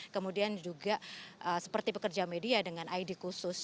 kemudian juga seperti pekerja media dengan id khusus